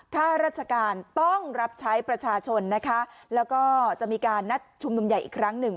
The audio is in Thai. ข้าราชการต้องรับใช้ประชาชนนะคะแล้วก็จะมีการนัดชุมนุมใหญ่อีกครั้งหนึ่ง